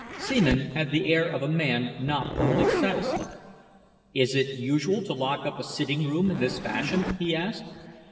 Seaman had the air of a man not wholly satisfied. "Is it usual to lock up a sitting room in this fashion?" he asked.